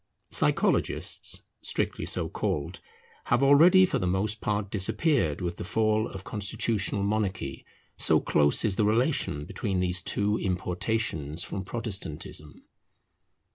Psychologists, strictly so called, have already for the most part disappeared with the fall of constitutional monarchy; so close is the relation between these two importations from Protestantism.